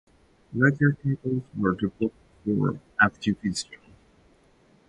Later titles were developed for Activision.